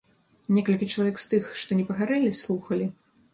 Некалькі чалавек з тых, што не пагарэлі, слухалі.